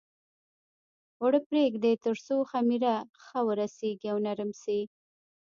اوړه پرېږدي تر څو خمېره ښه ورسېږي او نرم شي.